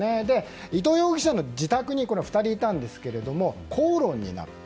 伊藤容疑者の自宅に２人いたんですけれども口論になった。